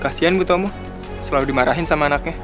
kasian butuh kamu selalu dimarahin sama anaknya